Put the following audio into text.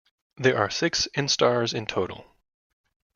There are six instars in total.